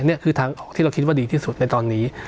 นี่คือทางออกที่เราคิดว่าดีที่สุดในตอนนี้